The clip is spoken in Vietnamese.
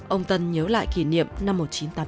ông tân nhớ lại kỷ niệm năm một nghìn chín trăm tám mươi